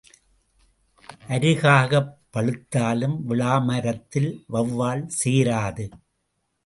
அருகாகப் பழுத்தாலும் விளாமரத்தில் வெளவால் சேராது.